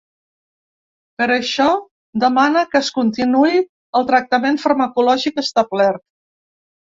Per això demana que es continuï el tractament farmacològic establert.